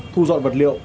thu dọn vật liệu